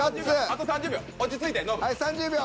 あと３０秒落ち着いてノブ。